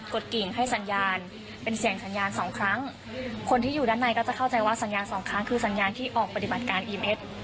ดกิ่งให้สัญญาณเป็นเสียงสัญญาณสองครั้งคนที่อยู่ด้านในก็จะเข้าใจว่าสัญญาณสองครั้งคือสัญญาณที่ออกปฏิบัติการอีมเอ็ด